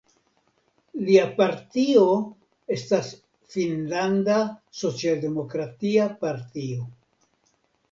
Lia partio estas Finnlanda Socialdemokratia Partio.